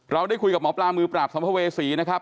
ได้คุยกับหมอปลามือปราบสัมภเวษีนะครับ